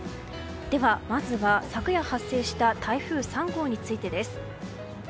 では、まずは昨夜発生した台風３号についてです。